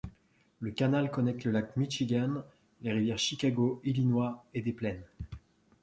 Le canal connecte le lac Michigan, les rivières Chicago, Illinois et Des Plaines.